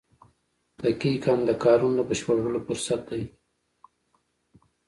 • دقیقه د کارونو د بشپړولو فرصت دی.